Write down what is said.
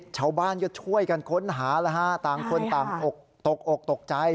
ชาวบ้านก็ช่วยกันค้นหาระฮะต่างคนต่างตกออกจ่าย